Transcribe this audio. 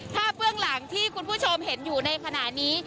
ถ้าเบื้องหลังที่คุณผู้ชมเห็นอยู่ในขณะนี้